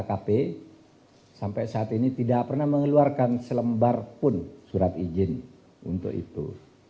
kkp sampai saat ini tidak pernah mengeluarkan selembar pun surat izin untuk itu